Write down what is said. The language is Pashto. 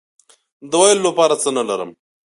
د ویلو لپاره څه نه لرم